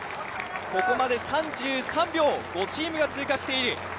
ここまで３３秒、５チームが通過している。